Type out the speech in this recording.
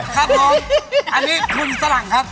ครับผมอันนี้คุณฝรั่งครับ